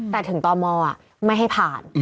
แต่ถึงตมไม่ให้ผ่าน